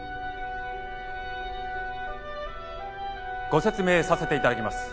ご説明させて頂きます。